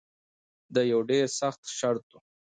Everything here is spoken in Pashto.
دا یو ډیر سخت شرط و.